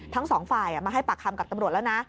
ทั้งสองฝ่ายมาให้ปากคำกับตำรวจแล้วนะ